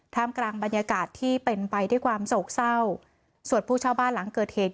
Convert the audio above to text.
กลางบรรยากาศที่เป็นไปด้วยความโศกเศร้าส่วนผู้เช่าบ้านหลังเกิดเหตุ